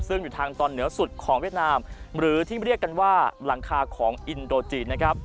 ซึ่งอยู่ทางตอนเหนือสุดของเวียดนามหรือที่เรียกกันว่าหลังคาของอินโดจีนนะครับ